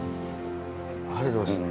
ありがとうございます。